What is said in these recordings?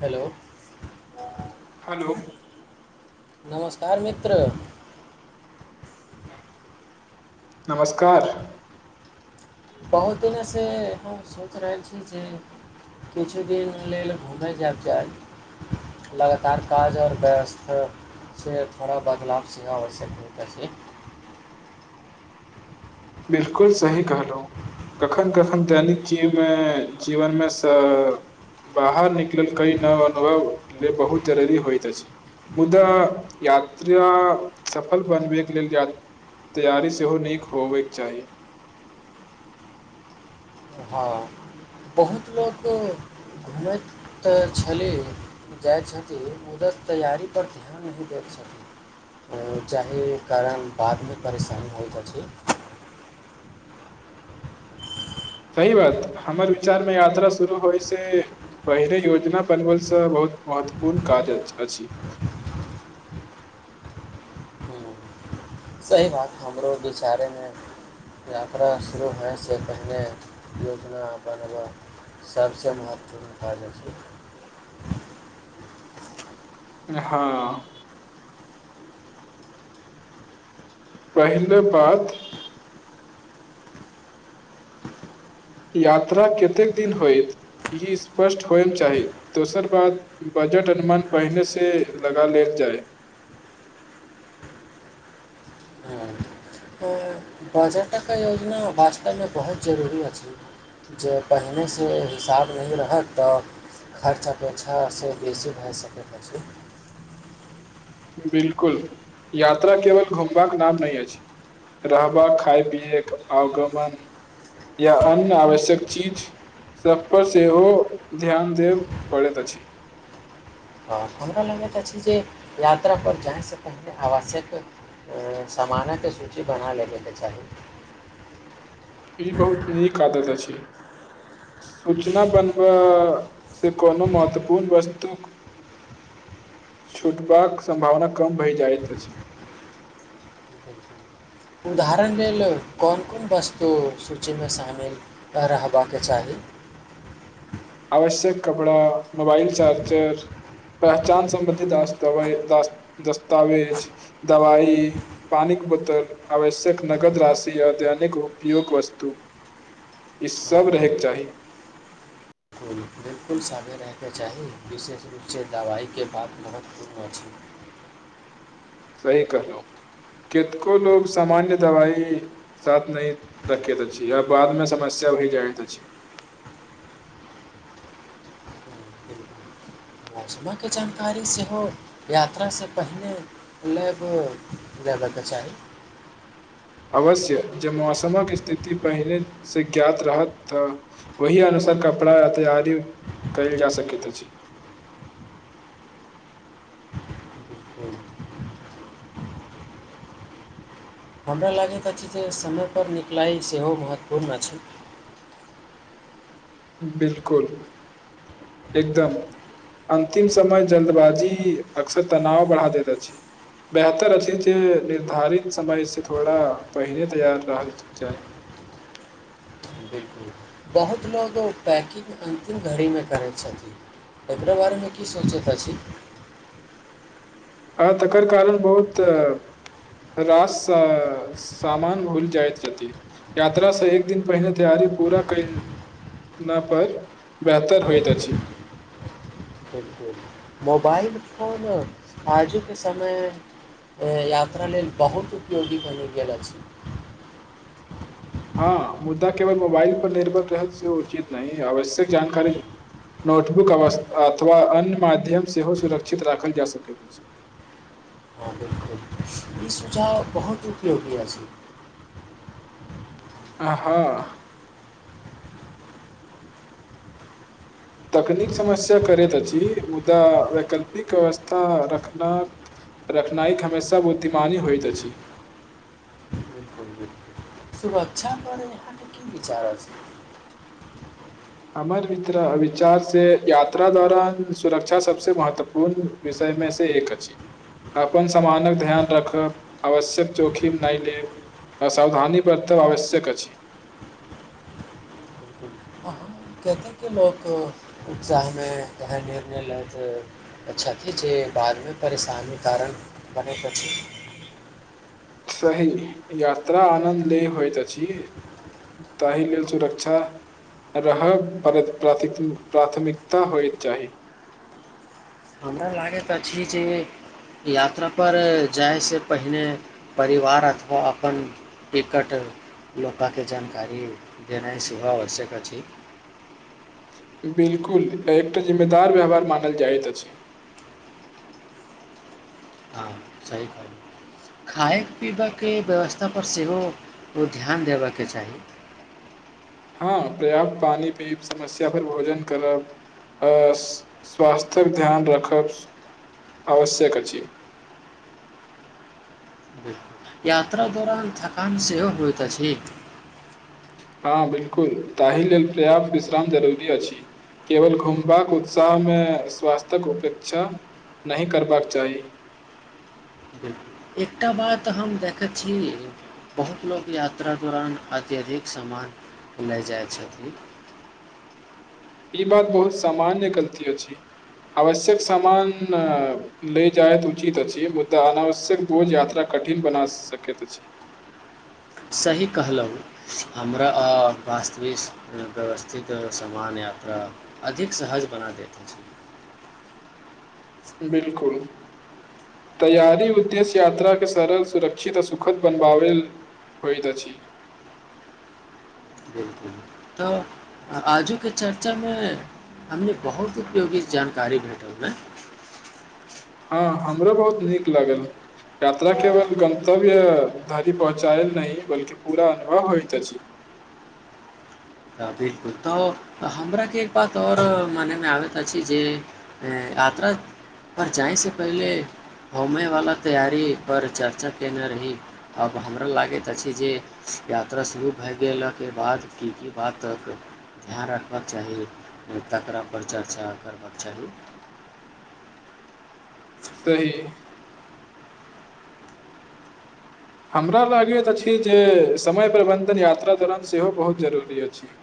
Hello hello नमस्कार मित्र नमस्कार बहुत दिनसँ हम सोचि रहल छी जे किछु दिन लेल घुमय जायब जाय लगातार काज आओर व्यवस्थासँ थोड़ा बदलाव सेहो आवश्यक होइत छै बिलकुल सही कहलहुँ कखन कखन दैनिक जीवमे जीवनमे सँ बाहर निकलल कइ नव अनुभव लेल बहुत जरूरी होइत अछि मुदा यात्रा सफल बनबैके लेल य तैयारी सेहो नीक होबय चाही हँ बहुत लोककें तऽ छली जाइ छथिन उधर तैयारीपर ध्यान नहि दैत छथिन जाहि कारण बादमे परेशानी होइत अछि सही बात हमर विचारमे यात्रा शुरू होयसँ पहिले योजना बनबलसँ बहुत महत्वपूर्ण काज अछि हम्म, सही बात हमरो विचारेमे यात्रा शुरू होयसँ पहिने योजना बनब सभसँ महत्वपूर्ण काज अछि हाँ पहिले बात यात्रा कतेक दिन होयत ई स्पष्ट होयमे चाही दोसर बात बजट अनुमान पहिनेसँ लगा लेल जाय बजटक योजना वास्तवमे बहुत जरूरी अछि जे पहिनेसँ हिसाब नहि रहैत तऽ खर्च अपेक्षासँ बेसी भए सकैत अछि बिल्कुल यात्रा केवल घुमबाक नाम नहि अछि रहबाका खाय पियएके अवगमन या अन्य आवश्यक चीज सब पर सेहो ध्यान देब पड़ैत अछि हाँ आओर हमरा लगैत अछि जे यात्रापर जायसँ पहिने आवश्यक सामानक सूची बना लेबके चाही ई बहुत नीक आदत अछि सूचना बनबा से कोनो महत्वपूर्ण वस्तु छूटबाक सम्भावना कम भए जाइत अछि उदाहरण लेल कोन कोन वस्तु सूचीमे शामिल रहबाक चाही आवश्यक कपड़ा मोबाइल चार्जर पहचान समबन्धी द्तवे दस्तावेज दवाई पानीक बोतल आवश्यक नगद राशि आध्यनिक उपयोग वस्तु ई सब रहैके चाही फूल बिल्कुल सादे रहैके चाही विशेष रूपसँ दवाइके बात महत्वपूर्ण अछि सही कहलो कितको लोग सामान्य दवाई साथ नहि रखैत अछि या बादमे समस्या भी जायैत अछि सुबह कें जानकारी सेहो यात्रा सँ पहिंने ल लेबक चाहि अवश्य जे मौसमक स्थिति पहिने से ज्ञात रहत तऽ ओहि अनुसार कपड़ा य तैयारी कयल जा सकैत अछि बिल्कुल हमरा लागैत अछि जे समयपर निकलाइ सेहो महत्वपूर्ण अछि बिल्कुल एकदम अन्तिम समय जल्दबाजी अक्सर तनाव बढ़ा दैत अछि बेहतर अछि जे निर्धारित समयसँ थोड़ा पहिले तैयार रहल जाय बिल्कुल बहुत लोको ओ पैकिंग अन्तिम घड़ीमे करैत छथिन एकरा बारेमे की सोचैत अछि आ तकर कारण बहुत रास सामान भुल जाइत रह यात्रासँ एक दिन पहिने तैयारी पूरा कइला पर बेहतर होइत अछि बिल्कुल मोबाइल फोन आजुके समय यात्रा लेल बहुत उपयोगी बनि गेल अछि हँ मुद्दा केवल मोबाइल पर निर्भर रहल सेहो उचित नहि आवश्यक जानकारी नोटबुक अव अथवा अन्य माध्यम सेहो सुरक्षित राखल जा सकैत अछि ई सुझाव बहुत उपयोगीय अछि आ हां तकनीक समस्या करैत अछि मुदा वैकल्पिक व्यवस्था रखना रखनाइ हमेशा बुद्धिमानी होइत अछि सुरक्षा करै में अहां की विचार छै हमर मित्रक विचार से यात्रा दौरान सुरक्षा सबसे महत्वपूर्ण मे एक अछि अपन समानक ध्यान राखब आवश्यक जोखिम नै लेब सावधानी वरतव आवश्यक अछि अहाँ कतेक लोक उत्साहमे एहन निर्णय लैत छथि जे बादमे परेशानीक कारण बनैके छथि सही यात्रा आनन्द ले होइत अछि ताहि लेल सुरक्षा रहय पर प्राथ प्राथमिकता होय चाही हमरा लागैत अछि जे यात्रापर जाइसँ पहिने परिवार अथवा अपन टिकट लोकाके जानकारी देनाइ सेहो आवश्यक अछि बिल्कुल एकटा जिम्मेदार व्यवहार मानल जाइत अछि हँ सही कह खाय पीबाकके व्यवस्थापर सेहो ओ ध्यान देबके चाही हँ पर्याप्त पानी पीब समस्या पर भोजन करब आ स्वास्थ्यक ध्यान रखब आवश्यक अछि यात्रा दौरान थकान सेहो होइत अछि हँ बिलकुल ताहि लेल पर्याप्त विश्राम जरूरी अछि केवल घुमबाक उत्साहमे स्वास्थ्यक उपेक्षा नहि करबाक चाही बिल्कुल। एकटा बात हम देखैत छी बहुत लोक यात्रा दौरान अत्यधिक सामान लए जाइ छथि ई बात बहुत सामान्य गलती अछि आवश्यक सामान ले जायत उचित अछि मुदा अनावश्यक बोझ यात्रा कठिन बना सकैत अछि सही कहलहुँ हमरा वास्तविक व्यवस्थित समान यात्रा अधिक सहज बना दैत अछि बिलकुल तैयारी उद्देश्य यात्राकें सरल सुरक्षित आ सुखद बनबालेल होइत अछि बिलकुल तऽ आजूके चर्चामे हमने बहुत उपयोगी जानकारी भेटल ने हँ हमरो बहुत नीक लागल यात्रा केवल गन्तव्य धरि पहुँचायल नहि बल्कि पूरा अनुभव होइत अछि तऽ बिल्कुल तऽ हमराके एक बात आओर मानयमे आबैत अछि जे यात्रा पर जाइसँ पहिले घुमयवला तैयारी पर चर्चा कयने रही आब हमरा लागैत अछि जे यात्रा शुरू भए गेलाके बाद की की बातक ध्यान रखबाक चाही तकरा पर चर्चा करबाक चाही सही हमरा लागैत अछि जे समय प्रबन्धन यात्रा दौरान सेहो बहुत जरूरी अछि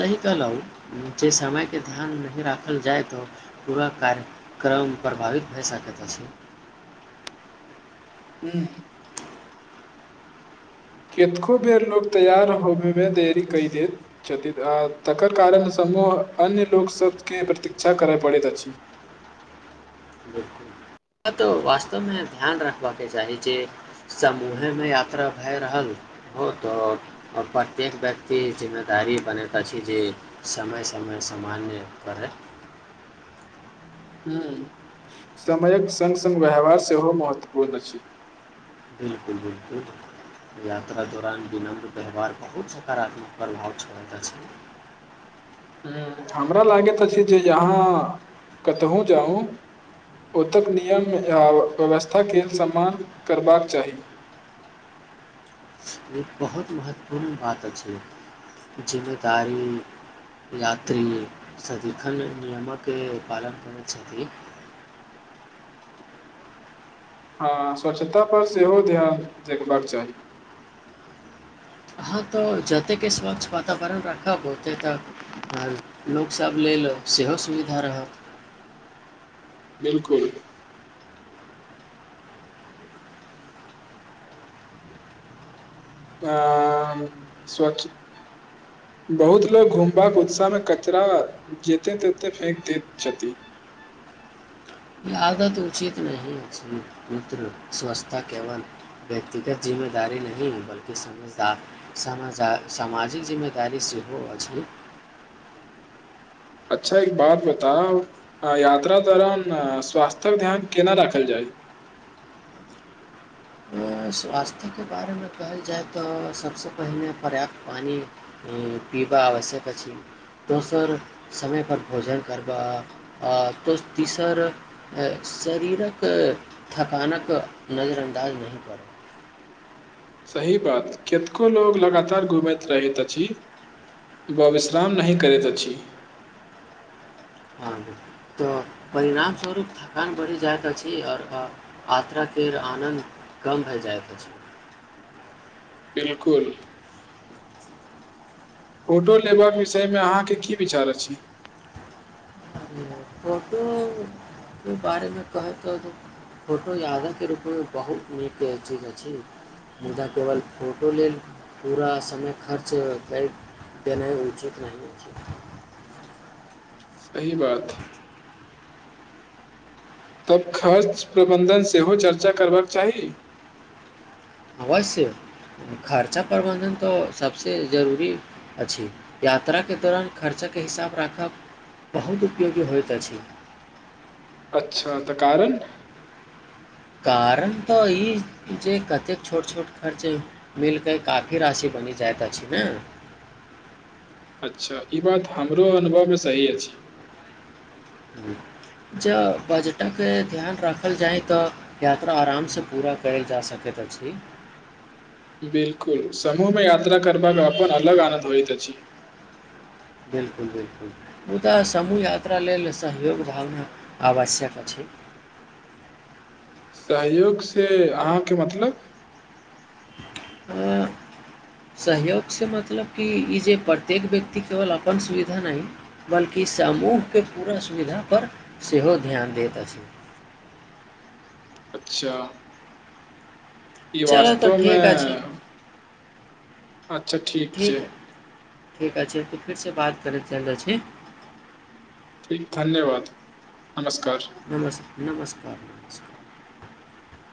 सही कहलहुं जे समय के ध्यान नहि राखल जाय त पूरा कार्यक्रम प्रभावित भए सकैत अछि ह्म केतको बेर लोक तैयार होबयमे देरी कय दैत छथि आ तकर कारण समूह अन्य लोकसभकें प्रतीक्षा करय पड़ैत अछि बिलकुल ई बात वास्तवमे ध्यान रखबाकके चाही जे समूहेमे यात्रा भए रहल हो त' प्रत्येक व्यक्ति जिम्मेदारी बनेैत अछि जे समय समय सामान्य करय हुं समयक सङ्ग सङ्ग व्यहवहार सेहो महत्वपूर्ण अछि बिलकुल बिलकुल यात्रा दौरान विनम्र व्यवहार बहुत सकारात्मक प्रभाव छोड़त अछि हमरा लागैत अछि जे अहाँ कतहुँ जाउ ओतय नियम या व्यवस्थाके सम्मान करबाक चाही बहुत महत्वपूर्ण बात अछि जिम्मेदारी यात्री सदिखन नियमक पालन करैत छथि हँ स्वच्छता पर सेहो ध्यान देखबाक चाही अहाँ त जतेक स्वच्छ वातावरण राखब ओते त' लोकसभ लेल सेहो सुविधा रहत बिलकुल आ स्वच्छ बहुत लोक घूमबाक उत्साहमे कचरा जतय ततय फेक दैत छथि ई आदत उचित नहि अछि मित्र स्वस्थता केवल व्यक्तिगत जिम्मेदारी नहि हय बल्कि समझदार सामाजिक जिम्मेदारी सेहो अछि अच्छा एक बात बताउ आ यात्रा दौरान स्वास्थ्यक ध्यान केना राखल जाय स्वास्थ्यकें बारेमे कहल जाइ त सबसँ पहिने पर्याप्त पानि पीबा आवश्यक अछि दोसर समय पर भोजन करबा आ तोस तीसर शरीरक थकानक नजरअन्दाज नहि कर सही बात केतको लोग लगातार घूमैत रहैत अछि व विश्राम नहि करैत अछि हँ तऽ परिणामस्वरूप थकान बढ़ि जाइत अछि आओर यात्राके आनन्द कम भए जाइत अछि बिलकुल फोटो लेबाक विषयमे अहाँके की विचार अछि फोटो के बारेमे कहैत तऽ फोटो यादके रूपमे बहुत नीक ठीक अछि मुदा केवल फोटो लेल पूरा समय खर्च कर देनाइ उचित नहि अछि सही बात तब खर्च प्रबन्धन सेहो चर्चा करबाक चाही अवश्य खर्चा प्रबन्धन तऽ सभसे जरूरी अछि यात्राके दौरान खर्चाके हिसाब राखब बहुत उपयोगी होइत अछि अच्छा त कारण कारण त ई जे कतेक छोट छोट खर्च मिलि क' काफी राशि बनि जाइत अछि ने अच्छा ई बात हमरो अनुभवमे सही अछि ज बजटक ध्यान राखल जाय त यात्रा आरामसँ पूरा कएल जा सकैत अछि बिलकुल समूहमे यात्रा करबाक अपन अलग आनन्द होइत अछि बिलकुल बिलकुल मुदा समूह यात्रा लेल सहयोग भावना आवश्यक अछि सहयोगसे अहाँके मतलब एं सहयोगसे मतलब कि ई जे प्रत्येक व्यक्ति केवल अपन सुविधा नहि बल्कि समूहके पूरा सुविधा पर सेहो ध्यान दैत अछि अच्छा ई चला त वास्तवमे ठीक अछि अच्छा छै ठीक ठीक अछि त फिर से बात करैत चलि जाइ छी ठीक धन्यवाद नमस्कार नमस् नमस्कार नमस्कार [inaudible]